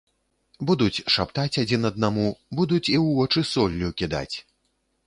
Будуць шаптаць адзін аднаму, будуць і ў вочы соллю кідаць.